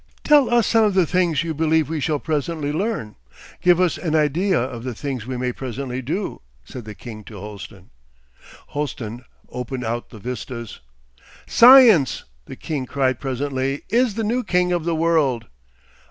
'Tell us some of the things you believe we shall presently learn, give us an idea of the things we may presently do,' said the king to Holsten. Holsten opened out the vistas.... 'Science,' the king cried presently, 'is the new king of the world.